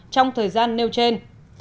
trong thời gian nêu trên